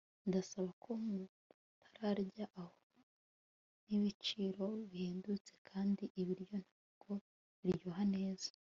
Ndasaba ko mutarya aho Nibiciro bihendutse kandi ibiryo ntabwo biryoha neza